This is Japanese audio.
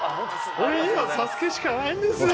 「俺にはＳＡＳＵＫＥしかないんですよ」